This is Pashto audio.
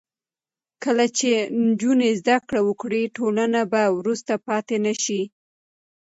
کله چې نجونې زده کړه وکړي، ټولنه به وروسته پاتې نه شي.